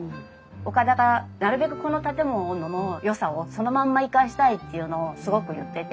岡田がなるべくこの建物のよさをそのまんま生かしたいっていうのをすごく言ってて。